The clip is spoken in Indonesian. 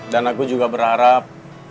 dan aku juga berharap